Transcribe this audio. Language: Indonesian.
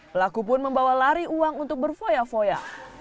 pelaku pun membawa lari uang untuk berfoya foya